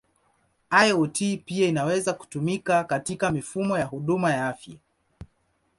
IoT pia inaweza kutumika katika mifumo ya huduma ya afya.